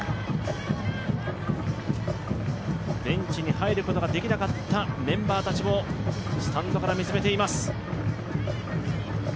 ベンチに入ることができなかったメンバーたちもスタンドから見つめています。